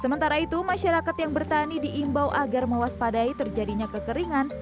sementara itu masyarakat yang bertani diimbau agar mewaspadai terjadinya kekeringan